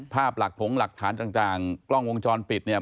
ภาพหลักถงหลักฐานต่างกล้องวงจรปิดเนี่ย